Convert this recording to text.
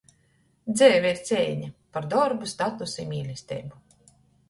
Dzeive ir ceiņa - par dorbu, statusu i mīlesteibu.